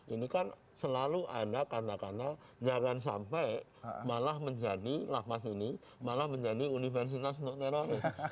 ini kan selalu ada katakanlah jangan sampai malah menjadi lapas ini malah menjadi universitas untuk teroris